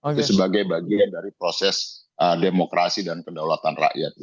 itu sebagai bagian dari proses demokrasi dan kedaulatan rakyat